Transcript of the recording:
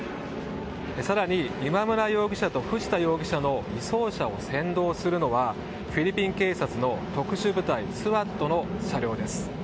更に、今村容疑者と藤田容疑者の移送車を先導するのはフィリピン警察の特殊部隊ＳＷＡＴの車両です。